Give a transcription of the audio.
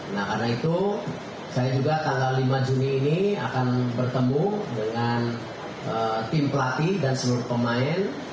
nah karena itu saya juga tanggal lima juni ini akan bertemu dengan tim pelatih dan seluruh pemain